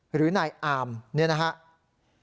หรือนายอามเนี่ยนะครับ